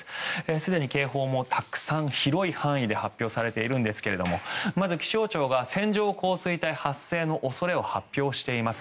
すでに警報もたくさん、広い範囲で発表されているんですがまず、気象庁が線状降水帯発生の恐れを発表しています。